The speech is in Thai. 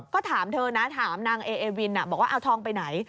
ก็ถามเธอนะถามนางเอเอวินบอกว่าเอาทองไปไหน